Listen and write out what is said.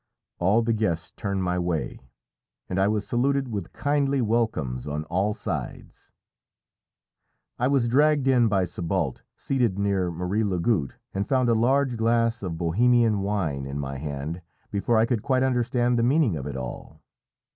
All the guests turned my way, and I was saluted with kindly welcomes on all sides. I was dragged in by Sébalt, seated near Marie Lagoutte, and found a large glass of Bohemian wine in my hand before I could quite understand the meaning of it all.